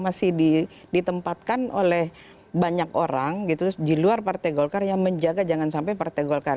masih ditempatkan oleh banyak orang gitu di luar partai golkar yang menjaga jangan sampai partai golkar